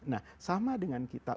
nah sama dengan kita